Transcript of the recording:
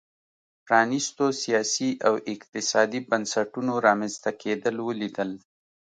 پرانیستو سیاسي او اقتصادي بنسټونو رامنځته کېدل ولیدل.